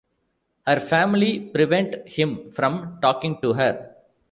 Her family prevent him from talking to her.